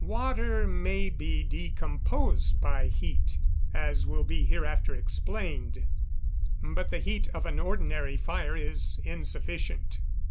Water may be decomposed by heat, as will be hereafter explained. But the heat of an ordinary fire is insufficient.